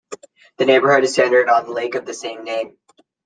The neighborhood is centered on the lake of the same name.